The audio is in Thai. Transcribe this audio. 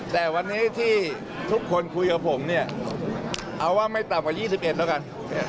แต่วันนี้ที่ทุกคนคุยกับผมเนี่ยเอาว่าไม่ต่ำกว่า๒๑แล้วกัน